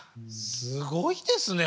すごいですね